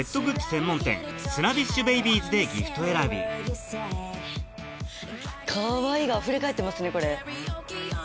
専門店スナビッシュベイビーズでギフト選び「かわいい」があふれ返ってますねこれ。